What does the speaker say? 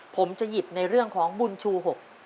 ผมจะหยิบในเรื่องของบุญชู๖